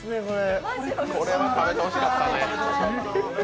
これは食べてほしかった。